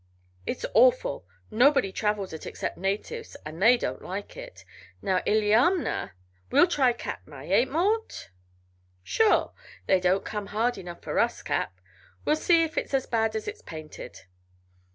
"It's awful! Nobody travels it except natives, and they don't like it. Now, Illiamna " "We'll try Katmai. Eh, Mort?" "Sure! They don't come hard enough for us, Cap. We'll see if it's as bad as it's painted."